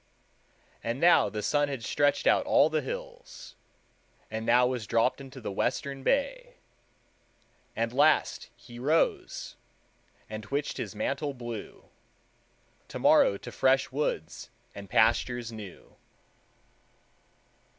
"And now the sun had stretched out all the hills, And now was dropped into the western bay; At last he rose, and twitched his mantle blue; To morrow to fresh woods and pastures new."